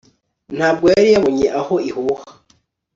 ntabwo yari yabonye aho ihuha